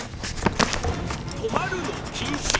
止まるの禁止。